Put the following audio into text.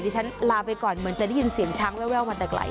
ที่ฉันลาไปก่อนเหมือนจะได้ยินเสียงช้างแวววันแต่ไกล